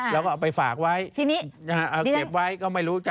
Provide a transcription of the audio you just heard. แล้วก็เอาไปฝากไว้เก็บไว้ก็ไม่รู้จะ